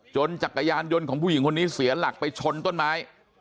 จักรยานยนต์ของผู้หญิงคนนี้เสียหลักไปชนต้นไม้